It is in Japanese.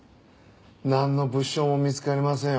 なんの物証も見つかりませんよ